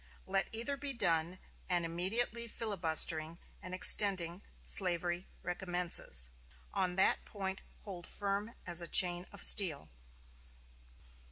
Let either be done, and immediately filibustering and extending slavery recommences. On that point hold firm as a chain of steel."